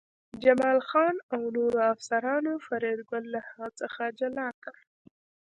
جمال خان او نورو افسرانو فریدګل له هغه څخه جلا کړ